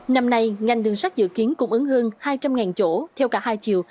năm nay ngành đường sắt dự kiến cũng ứng hương hai trăm linh chỗ theo cả hai chiều